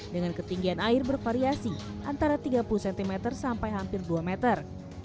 dengan ketinggian air bervariasi antara tiga puluh cm sampai hampir dua meter